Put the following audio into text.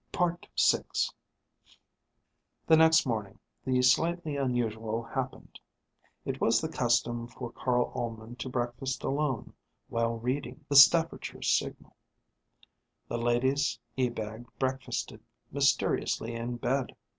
VI The next morning the slightly unusual happened. It was the custom for Carl Ullman to breakfast alone, while reading The Staffordshire Signal. The ladies Ebag breakfasted mysteriously in bed.